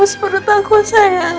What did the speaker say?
terus berutaku sayang